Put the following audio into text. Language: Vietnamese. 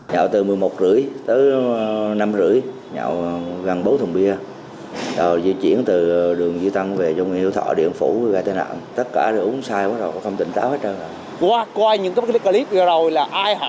nhậu từ một mươi một h ba mươi tới năm h ba mươi nhậu gần bốn thùng bia